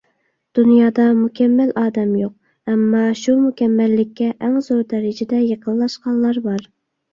دۇنيادا مۇكەممەل ئادەم يوق، ئەمما شۇ مۇكەممەللىككە ئەڭ زور دەرىجىدە يېقىنلاشقانلار بار.